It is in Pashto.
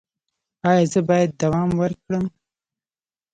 ایا زه باید دوام ورکړم؟